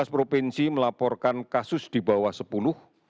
tujuh belas provinsi melaporkan kasus di bawah sepuluh